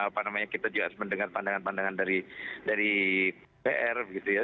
apa namanya kita juga harus mendengar pandangan pandangan dari pr gitu ya